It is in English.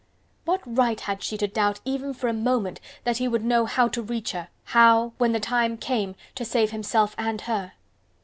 What right had she to doubt even for a moment that he would know how to reach her, how when the time came to save himself and her?